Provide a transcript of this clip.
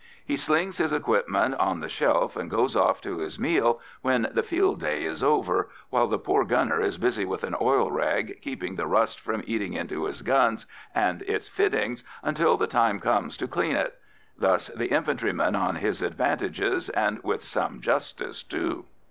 He slings his equipment on the shelf and goes off to his meal when the field day is over, while the poor gunner is busy with an oil rag, keeping the rust from eating into his gun and its fittings until the time comes to clean it. Thus the infantryman on his advantages, and with some justice, too.